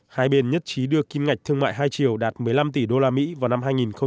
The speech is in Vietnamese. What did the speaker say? hai bên nhất trí đưa kim ngạch thương mại hai triệu đạt một mươi năm tỷ usd vào năm hai nghìn hai mươi